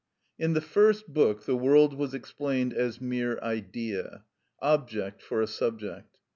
In the First Book the world was explained as mere idea, object for a subject.